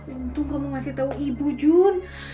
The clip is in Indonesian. untung kamu ngasih tahu ibu jun